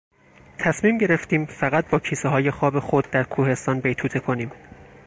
تصمیم گرفتیم فقط باکیسههای خواب خود در کوهستان بیتوته کنیم.